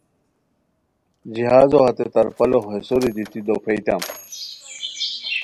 جہازو ہتے تھرپالو ہے سوری دیتی دوپھیئتام